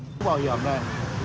mũ bảo hiểm này